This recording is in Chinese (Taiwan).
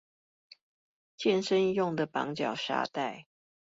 健身用的綁腳沙袋